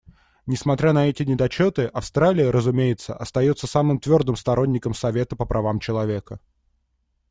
Несмотря на эти недочеты, Австралия, разумеется, остается самым твердым сторонником Совета по правам человека.